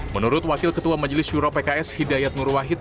menurut wakil ketua majelis juro pks hidayat nur wahid